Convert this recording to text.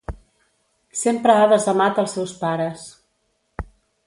Sempre ha desamat els seus pares.